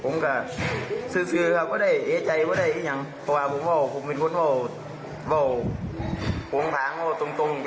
มันทำเนื้อค่ะดีครับผมง่าย